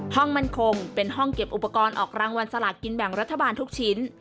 ห้องมั่นคงเป็นห้องเก็บอุปกรณ์ออกรางวัลสลากกินแบ่งรัฐบาลทุกชิ้น